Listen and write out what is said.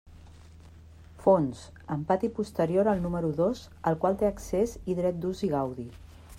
Fons: amb pati posterior al número dos al qual té accés i dret d'ús i gaudi.